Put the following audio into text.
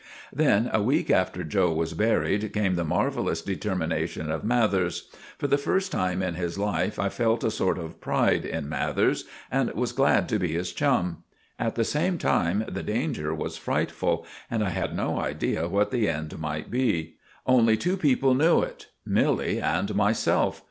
Then, a week after 'Joe' was buried, came the marvellous determination of Mathers. For the first time in his life I felt a sort of pride in Mathers, and was glad to be his chum. At the same time the danger was frightful, and I had no idea what the end might be. Only two people knew it, Milly and myself.